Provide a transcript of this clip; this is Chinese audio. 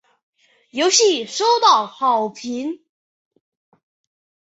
游戏收到好评。